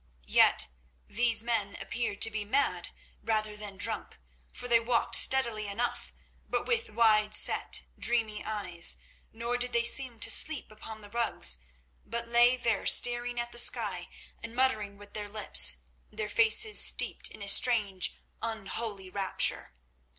Yet these men appeared to be mad rather than drunk, for they walked steadily enough, but with wide set, dreamy eyes; nor did they seem to sleep upon the rugs, but lay there staring at the sky and muttering with their lips, their faces steeped in a strange, unholy rapture.